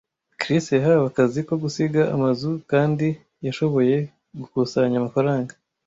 Chris yahawe akazi ko gusiga amazu kandi yashoboye gukusanya amafaranga.